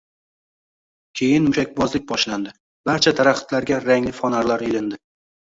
Keyin mushakbozlik boshlandi, barcha daraxtlarga rangli fonarlar ilindi